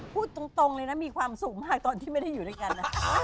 พูดตรงเลยนะมีความสุขมากตอนที่ไม่ได้อยู่ด้วยกัน